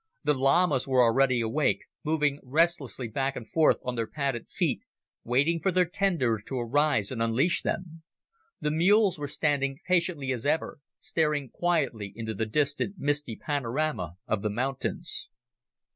The llamas were already awake, moving restlessly back and forth on their padded feet, waiting for their tender to arise and unleash them. The mules were standing patiently as ever, staring quietly into the distant misty panorama of the mountains.